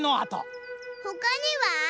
ほかには？